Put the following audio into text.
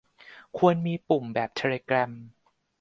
ควรมีปุ่ม แบบเทเลแกรม